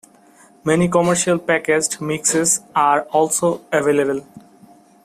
Many commercial packaged mixes are also available.